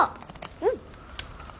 うん！